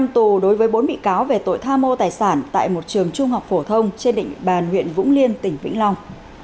năm tù đối với bốn bị cáo về tội tha mô tài sản tại một trường trung học phổ thông trên định bàn huyện vũng liên tỉnh vĩnh long